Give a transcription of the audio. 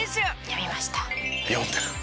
「読んでる？」